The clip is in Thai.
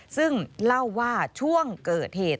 ซึ่งเล่าว่าช่วงเกิดเหตุ